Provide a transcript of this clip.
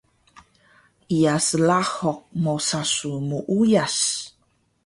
Iya srahuq mosa su muuyas